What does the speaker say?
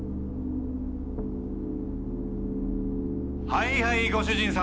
「はいはいご主人様。